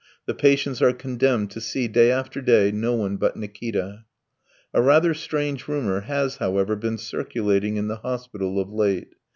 The patients are condemned to see day after day no one but Nikita. A rather strange rumour has, however, been circulating in the hospital of late.